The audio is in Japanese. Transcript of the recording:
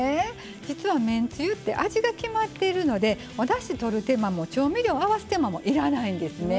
実は、めんつゆって味が決まっているのでおだしをとる手間も調味料を入れる手間もいらないんですね。